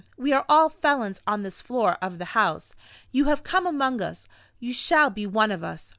We are all felons on this floor of the house. You have come among us you shall be one of us.